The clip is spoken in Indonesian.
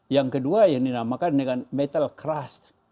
yang kedua yang dinamakan dengan metal crass